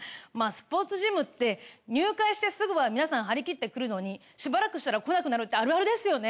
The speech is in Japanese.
スポーツジムって入会してすぐは皆さん張り切って来るのにしばらくしたら来なくなるってあるあるですよね。